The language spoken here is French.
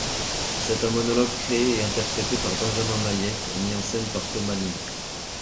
C'est un monologue créé et interprété par Benjamin Mayet et mis-en-scène par Thomas Lihn.